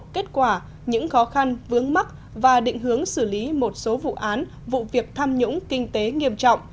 kết quả những khó khăn vướng mắt và định hướng xử lý một số vụ án vụ việc tham nhũng kinh tế nghiêm trọng